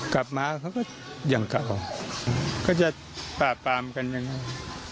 กลับมาเขาก็อย่างเก่าก็จะปราบปรามกันยังไง